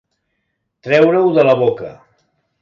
Treure-ho de la boca.